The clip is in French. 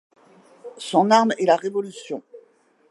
Son arme est la révolution.